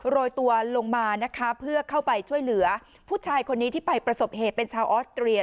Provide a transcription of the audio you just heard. โรยตัวลงมานะคะเพื่อเข้าไปช่วยเหลือผู้ชายคนนี้ที่ไปประสบเหตุเป็นชาวออสเตรีย